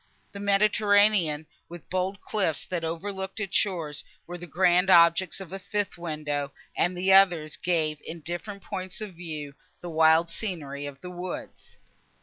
The Mediterranean, with the bold cliffs, that overlooked its shores, were the grand objects of a fifth window, and the others gave, in different points of view, the wild scenery of the woods.